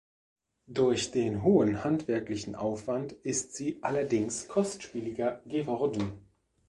Durch den hohen handwerklichen Aufwand ist sie allerdings kostspieliger geworden.